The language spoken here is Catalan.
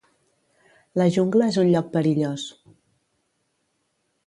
La jungla és un lloc perillós.